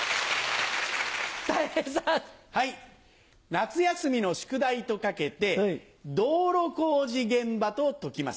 夏休みの宿題と掛けて道路工事現場と解きます。